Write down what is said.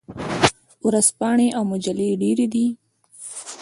ورځپاڼې او مجلې ډیرې دي.